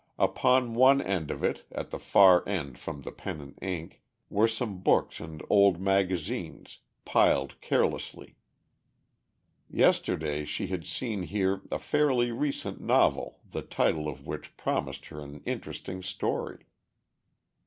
Upon one end of it, at the far end from the pen and ink, were some books and old magazines, piled carelessly. Yesterday she had seen here a fairly recent novel the title of which promised her an interesting story.